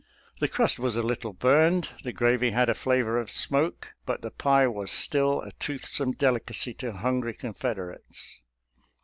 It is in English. The crust was a little burned, the gravy had a flavor of smoke, but the pie was still a toothsome delicacy to hungry Confederates.